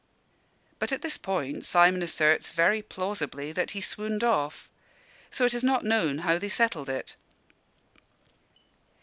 '" But at this point Simon asserts very plausibly that he swooned off; so it is not known how they settled it.